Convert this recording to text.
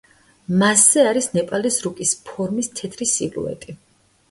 მასზე არის ნეპალის რუკის ფორმის თეთრი სილუეტი.